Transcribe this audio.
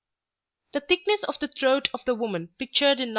71] The thickness of the throat of the woman pictured in No.